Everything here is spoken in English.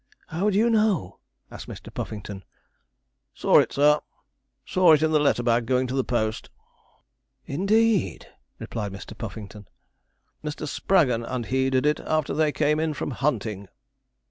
'How do you know?' asked Mr. Puffington. 'Saw it, sir saw it in the letter bag going to the post.' 'Indeed!' replied Mr. Puffington. 'Mr. Spraggon and he did it after they came in from hunting.'